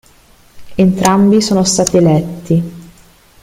Entrambi sono stati eletti.